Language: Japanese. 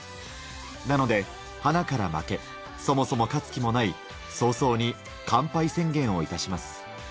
なので、はなから負け、そもそも勝つ気もない、早々に、完敗宣言をいたします。